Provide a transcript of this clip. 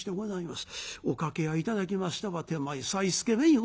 お掛け合い頂きましたは手前さいすけでございます。